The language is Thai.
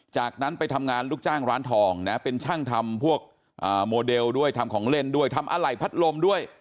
จากนั้นไปทำงานลูกจ้างร้านทองนะเป็นช่างทำพวกโมเดลด้วยทำของเล่นด้วยทำอะไรพัดลมด้วย